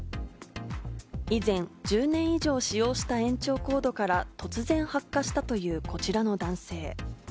以前、１０年以上使用した延長コードから突然発火したという、こちらの男性。